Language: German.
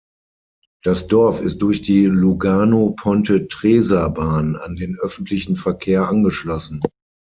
Das Dorf ist durch die Lugano-Ponte-Tresa-Bahn an den Öffentlichen Verkehr angeschlossen.